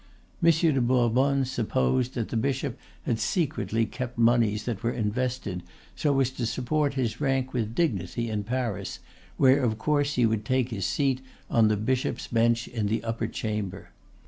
Monsieur de Bourbonne supposed that the bishop had secretly kept moneys that were invested, so as to support his rank with dignity in Paris, where of course he would take his seat on the Bishops' bench in the Upper Chamber.